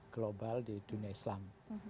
global di dunia islam